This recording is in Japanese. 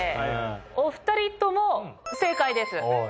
お２人とも正解です。